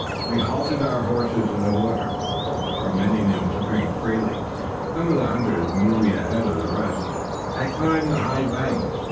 We halted our horses in the water, permitting them to drink freely. Some of the hunters, moving ahead of the rest, had climbed the high banks.